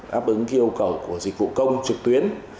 đáp ứng yêu cầu của dịch vụ công trực tuyến